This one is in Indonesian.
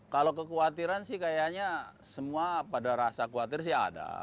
kalau kekhawatiran sih kayaknya semua pada rasa khawatir sih ada